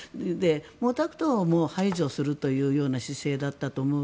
毛沢東は排除するというような姿勢だったと思う。